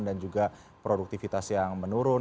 dan juga produktivitas yang menurun